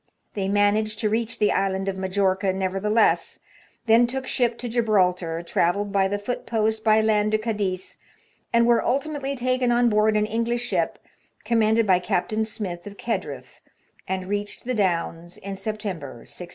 They managed to reach the island of Majorca nevertheless, then took ship to Gibraltar, travelled by the foot post by land to Cadiz, and were ultimately taken on board an English ship, commanded by Captain Smith of Kedriff," and reached the Downs in September, 1644.